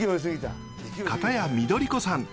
かたや緑子さん。